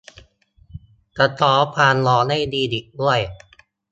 สะท้อนความร้อนได้ดีอีกด้วย